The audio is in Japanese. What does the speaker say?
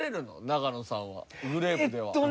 永野さんはグレープでは。